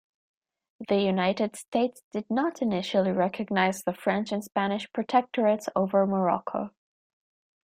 The United States did not initially recognize the French and Spanish protectorates over Morocco.